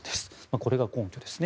これが根拠ですね。